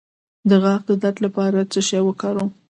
د غاښ د درد لپاره باید څه شی وکاروم؟